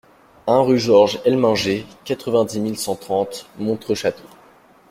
un rue Georges Helminger, quatre-vingt-dix mille cent trente Montreux-Château